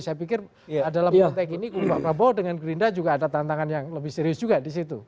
saya pikir dalam konteks ini kumpah prabowo dengan gerinda juga ada tantangan yang lebih serius juga disitu